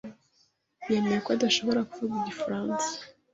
Yemeye ko adashobora kuvuga igifaransa.